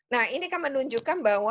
nah ini kan menunjukkan bahwa